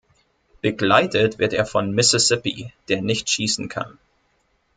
Begleitet wird er von „Mississippi“, der nicht schießen kann.